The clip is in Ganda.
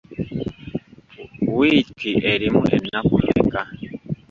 Wiiki erimu ennaku mmeka?